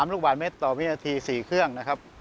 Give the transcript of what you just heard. ๓ลูกบาทเมตรต่อวินาที๔เครื่อง